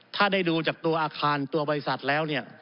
ถ้าได้ดูจากตัวอาคารตัวบริษัทแล้วเนี่ย